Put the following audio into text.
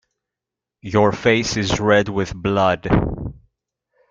Your face is red with blood.